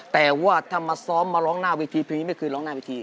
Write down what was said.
แต่ว่าถ้ามาซ้อมมาร้องหน้าเวทีเพลงนี้ไม่เคยร้องหน้าเวที